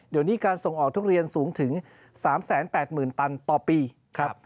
เดี๋ยวนี้การส่งออกทุเรียนสูงถึง๓๘๐๐๐ตันต่อปีครับ